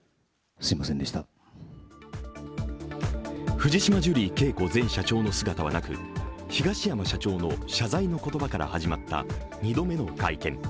藤島ジュリー景子前社長の姿はなく、東山社長の謝罪の言葉から始まった２回目の会見。